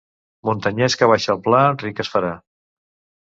Muntanyès que baixa al pla ric es farà.